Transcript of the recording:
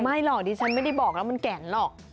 หรอกดิฉันไม่ได้บอกแล้วมันแก่นหรอก